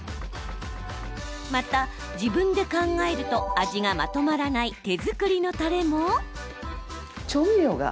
また、自分で考えると味がまとまらない手作りのたれも。